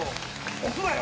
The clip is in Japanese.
押すなよ！